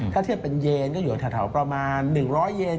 ถ้าเทียบเป็นเยนก็อยู่แถวประมาณ๑๐๐เยน